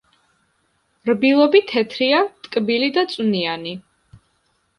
რბილობი თეთრია, ტკბილი და წვნიანი.